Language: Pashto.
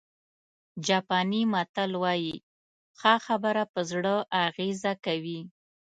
جاپاني متل وایي ښه خبره په زړه اغېزه کوي.